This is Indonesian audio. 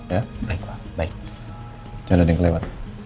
ya baik baik jangan yang lewat